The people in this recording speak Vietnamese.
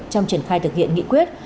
trong triển khai thực hiện nghị quyết